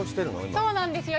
そうなんですよ。